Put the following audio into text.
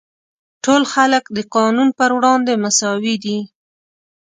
ټول خلک د قانون پر وړاندې مساوي دي.